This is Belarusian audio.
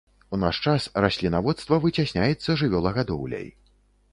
У наш час раслінаводства выцясняецца жывёлагадоўляй.